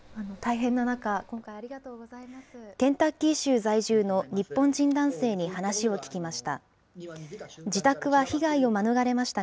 ケンタッキー州在住の日本人男性に話を聞きました。